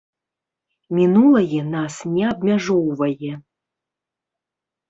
Мінулае нас не абмяжоўвае.